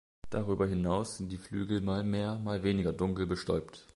Darüber hinaus sind die Flügel mal mehr, mal weniger dunkel bestäubt.